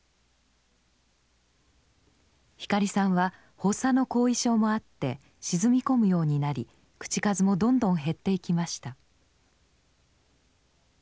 光さんは発作の後遺症もあって沈み込むようになり口数もどんどん減っていきました。